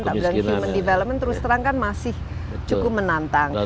dan human development terus terang kan masih cukup menantang